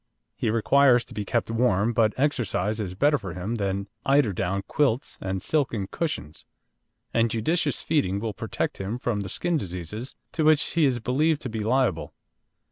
He requires to be kept warm, but exercise is better for him than eiderdown quilts and silken cushions, and judicious feeding will protect him from the skin diseases to which he is believed to be liable.